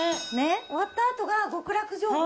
終わった後が極楽浄土。